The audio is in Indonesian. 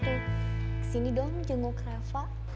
kesini dong jenguk reva